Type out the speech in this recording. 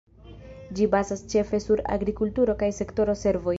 Ĝi bazas ĉefe sur agrikulturo kaj sektoro servoj.